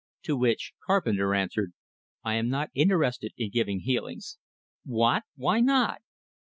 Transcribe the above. To which Carpenter answered: "I am not interested in giving healings." "What? Why not?"